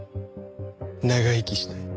長生きしたい。